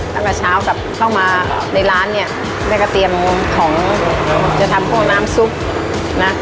ตั้งแต่เช้ากลับเข้ามาในร้านเนี่ยแม่ก็เตรียมของจะทำพวกน้ำซุปนะ